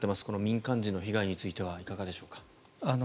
この民間人の被害についてはいかがでしょうか。